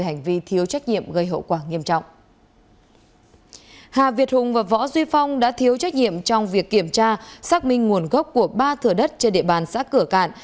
hà việt hùng và võ duy phong đã thiếu trách nhiệm trong việc kiểm tra xác minh nguồn gốc của ba thửa đất trên địa bàn xã cửa cạn